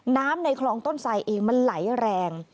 ในคลองต้นไสเองมันไหลแรง